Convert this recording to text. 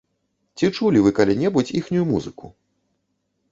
Ці чулі вы калі-небудзь іхнюю музыку?